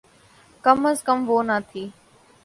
کم از کم وہ نہ تھی۔